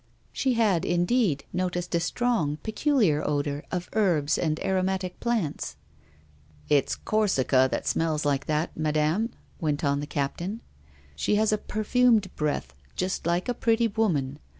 She had indeed noticed a strong, peculiar odour of herbs and aromatic plants. "It's Corsica that smells like that, madame," went on the captain. "She has a perfumed breath, just like a pretty woman.